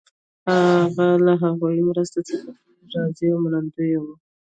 هغه له هغو مرستو څخه ډېر راضي او منندوی وو.